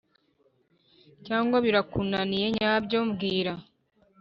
cyangwa birakunaniye nabyo mbwira